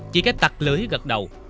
chỉ cái tặc lưới gật đầu